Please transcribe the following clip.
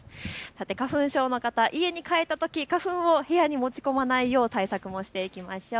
花粉症の方、家に帰ったとき花粉を部屋に持ち込まないよう対策もしていきましょう。